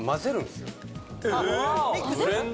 ブレンド？